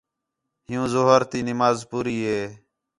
ہیوں ظُہر تی نماز پوری ہِے